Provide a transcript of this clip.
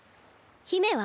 姫は？